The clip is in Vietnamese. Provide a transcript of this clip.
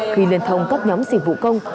khi liên thông các nhóm dịch vụ công